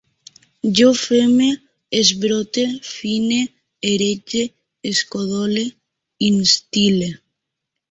Jo feme, esbrote, fine, erege, escodole, instil·le